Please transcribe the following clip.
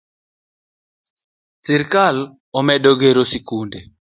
Sirikal omedo gero sikunde.